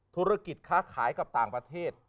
ธุรกิจค้าขายกับต่างประเทศ